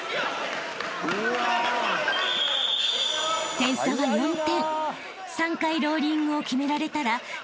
［点差は４点］